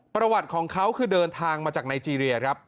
ประวัติของเขาคือเดินทางมาจากไนเจรียครับ